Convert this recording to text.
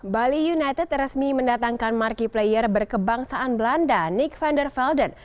bali united resmi mendatangkan marki player berkebangsaan belanda nick vendor velden